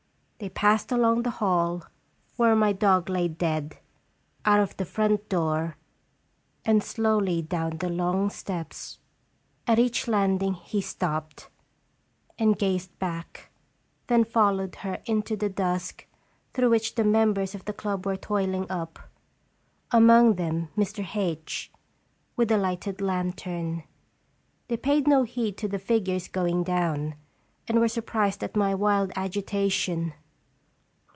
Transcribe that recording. They passed along the hall, where my dog lay dead, out of the front door, and llje IDeab jDDeab?" 319 slowly down the long steps. At each landing he stopped and gazed back, then followed her into the dusk through which the members of the club were toiling up among them Mr. H , with a lighted lantern. They paid no heed to the figures going down, and were sur prised at my wild agitation.